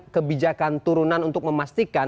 kebijakan turunan untuk memastikan